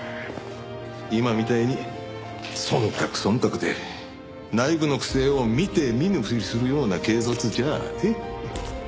今みたいに忖度忖度で内部の不正を見て見ぬふりするような警察じゃあね。